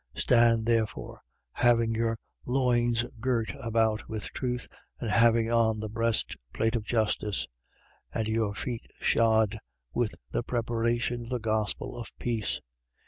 6:14. Stand therefore, having your loins girt about with truth and having on the breastplate of justice: 6:15. And your feet shod with the preparation of the gospel of peace.